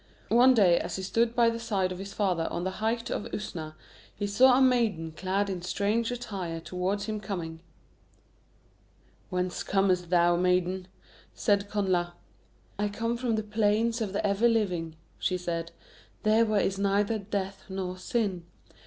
One day as he stood by the side of his father on the height of Usna, he saw a maiden clad in strange attire towards him coming. "Whence comest thou, maiden?" said Connla. "I come from the Plains of the Ever Living," she said, "there where is neither death nor sin.